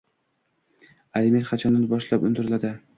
Aliment qachondan boshlab undiriladi?